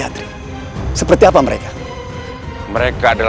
oleh segala hal